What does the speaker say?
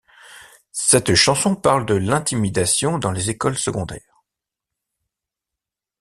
Cette chanson parle de l'intimidation dans les écoles secondaires.